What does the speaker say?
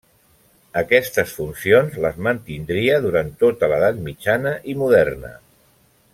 Aquestes funcions les mantindria durant tota l'Edat Mitjana i Moderna.